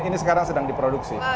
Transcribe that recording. ini sekarang sedang diproduksi